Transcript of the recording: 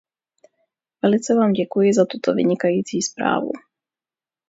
Velice vám děkuji za tuto vynikající zprávu.